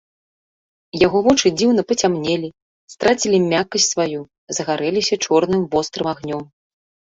Яго вочы дзіўна пацямнелі, страцілі мяккасць сваю, загарэліся чорным вострым агнём.